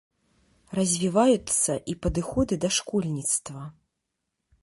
Развіваюцца і падыходы да школьніцтва.